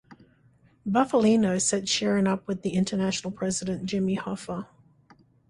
Bufalino set Sheeran up with the International President Jimmy Hoffa.